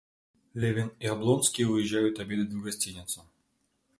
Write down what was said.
Левин и Облонский уезжают обедать в гостиницу.